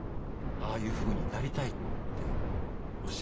「ああいうふうになりたい」っておっしゃっていたので。